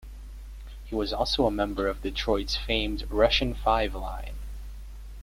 He was also a member of Detroit's famed Russian Five line.